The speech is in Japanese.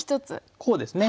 こうですね。